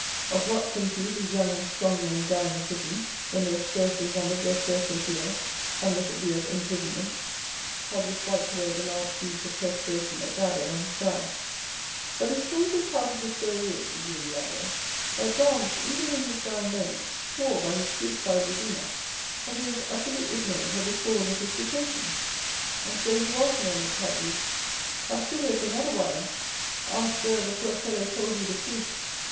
"Of what, think you, do young and strong men die in prison, when they have scarcely numbered their thirtieth year, unless it be of imprisonment?" Caderousse wiped away the large beads of perspiration that gathered on his brow. 0329m "But the strangest part of the story is," resumed the abbé, "that Dantès, even in his dying moments, swore by his crucified Redeemer, that he was utterly ignorant of the cause of his detention." "And so he was," murmured Caderousse. "How should he have been otherwise? Ah, sir, the poor fellow told you the truth."